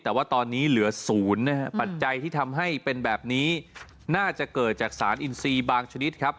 แต่ว่าตอนนี้เหลือศูนย์นะฮะปัจจัยที่ทำให้เป็นแบบนี้น่าจะเกิดจากสารอินซีบางชนิดครับ